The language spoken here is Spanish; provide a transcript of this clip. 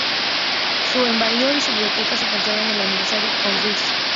Su herbario y su biblioteca se conservan en la Universidad de Cambridge.